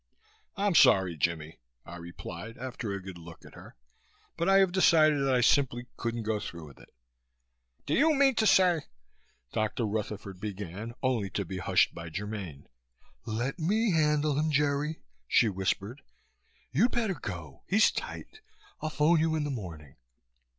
"I'm sorry, Jimmie," I replied, after a good look at her, "but I have decided that I simply couldn't go through with it." "Do you mean to say " Dr. Rutherford began, only to be hushed by Germaine. "Let me handle him, Jerry," she whispered. "You'd better go. He's tight. I'll phone you in the morning."